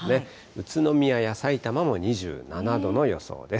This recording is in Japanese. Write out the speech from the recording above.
宇都宮やさいたまも２７度の予想です。